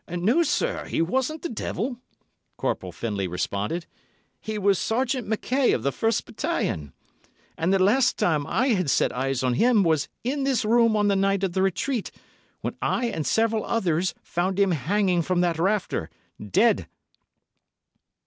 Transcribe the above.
"No, sir, he wasn't the devil," Corporal Findlay responded. "He was Sergeant Mackay of the first battalion—and the last time I had set eyes on him was in this room on the night of the retreat from N——, when I and several others of the O——s found him hanging from that rafter—dead."